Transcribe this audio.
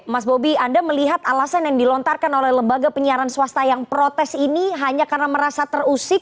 mas bobi anda melihat alasan yang dilontarkan oleh lembaga penyiaran swasta yang protes ini hanya karena merasa terusik